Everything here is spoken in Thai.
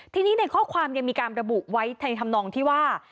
ทีนี้ในข้อความยังมีการระบุไว้ในธรรมนองที่ว่า